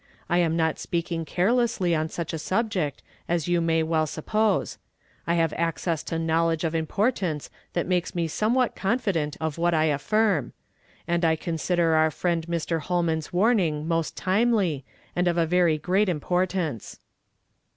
I am not s[)eaking carelessly on such a subject, as yoii may '\t'll suppose. 1 have access to knowledge of impor tance that makes me somewhat confident of what I aOinn ; and I consider our friend Mr. llolman's warning most timely, and of very great impor tance.